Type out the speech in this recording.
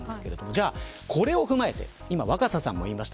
これを踏まえて今、若狭さんも言いました。